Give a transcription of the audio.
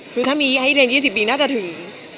คือถ้ามีให้เรียน๒๐ปีน่าจะถึง